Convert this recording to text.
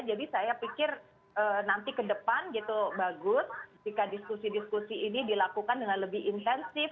jadi saya pikir nanti kedepan gitu bagus jika diskusi diskusi ini dilakukan dengan lebih intensif